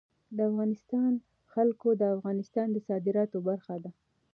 د افغانستان جلکو د افغانستان د صادراتو برخه ده.